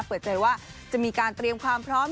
เปิดใจว่าจะมีการเตรียมความพร้อม